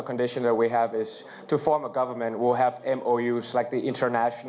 ของที่เราคิดต้องการเวลาเราจะเป็นโคลิเชียน